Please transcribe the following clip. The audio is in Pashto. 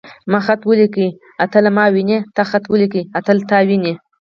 ما خط وليکه. اتل ما ويني.تا خط وليکه. اتل تا ويني.